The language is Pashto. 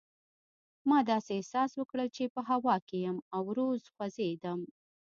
ما داسې احساس وکړل چې په هوا کې یم او ورو خوځېدم.